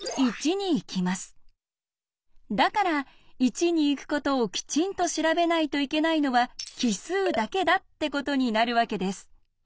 だから１に行くことをきちんと調べないといけないのは奇数だけだってことになるわけです。